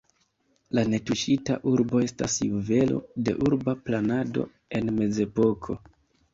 La netuŝita urbo estas juvelo de urba planado en mezepoko.